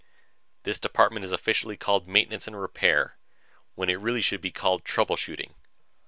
"This department is officially called Maintenance and Repair, when it really should be called trouble shooting.